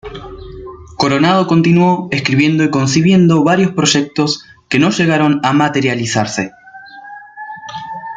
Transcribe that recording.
Coronado continuó escribiendo y concibiendo varios proyectos que no llegaron a materializarse.